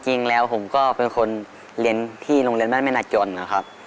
จริงแล้วผมก็เป็นคนเรียนที่โรงเรียนบ้านแม่นาจนนะครับ